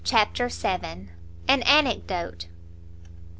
CHAPTER vii. AN ANECDOTE.